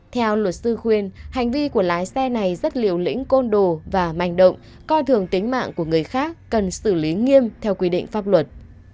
theo luật sư khuyên hành vi của lái xe này rất liều lĩnh côn đồ và manh động coi thường tính mạng của người khác cần xử lý nghiêm theo quy định pháp luật